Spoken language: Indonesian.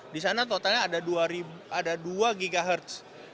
di sana totalnya ada dua ghz